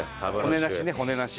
骨なしね骨なし。